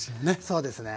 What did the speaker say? そうですね。